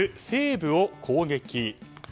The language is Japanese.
西部を攻撃。